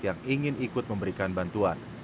yang ingin ikut memberikan bantuan